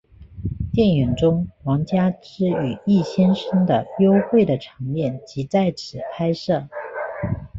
电影中王佳芝与易先生的幽会的场面即在此拍摄。